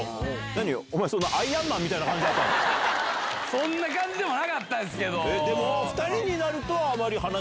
そんな感じでもなかったですけど。